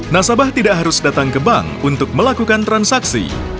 nasabah tidak harus datang ke bank untuk melakukan transaksi